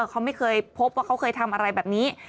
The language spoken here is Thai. เขาไม่เคยพบว่าเขาเคยทำอะไรแบบนี้